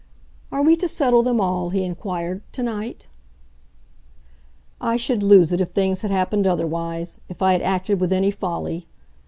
"Are we to settle them all," he inquired, "to night?" "I should lose it if things had happened otherwise if I had acted with any folly."